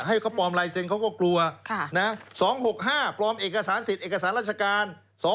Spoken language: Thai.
ให้เขาปลอมลายเซ็นต์เขาก็กลัว๒๖๕ปลอมเอกสารสิทธิเอกสารราชการ